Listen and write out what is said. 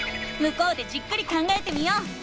向こうでじっくり考えてみよう。